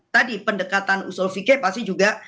tadi pendekatan usul fikih pasti juga